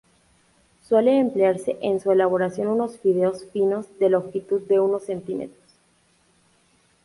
Suele emplearse en su elaboración unos fideos finos de longitud de unos centímetros.